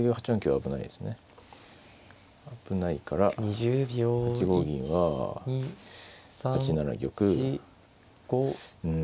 危ないから８五銀は８七玉うん。